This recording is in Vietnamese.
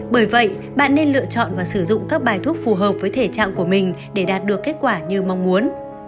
bởi vậy bạn nên lựa chọn và sử dụng các bài thuốc phù hợp với thể trạng của mình để đạt được kết quả như mong muốn